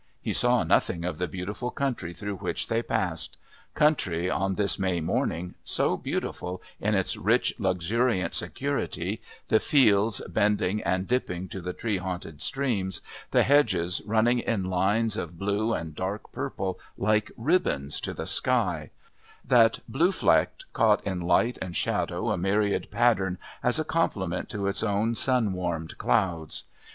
He saw nothing of the beautiful country through which they passed country, on this May morning, so beautiful in its rich luxuriant security, the fields bending and dipping to the tree haunted streams, the hedges running in lines of blue and dark purple like ribbons to the sky, that, blue flecked, caught in light and shadow a myriad pattern as a complement to its own sun warmed clouds.